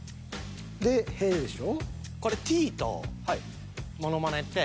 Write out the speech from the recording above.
で屁でしょ。